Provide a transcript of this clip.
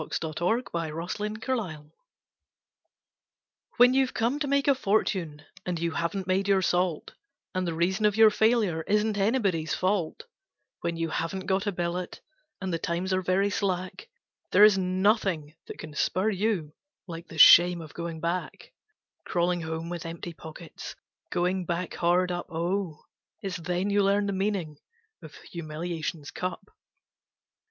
The Shame of Going Back When you've come to make a fortune and you haven't made your salt, And the reason of your failure isn't anybody's fault When you haven't got a billet, and the times are very slack, There is nothing that can spur you like the shame of going back; Crawling home with empty pockets, Going back hard up; Oh! it's then you learn the meaning of humiliation's cup.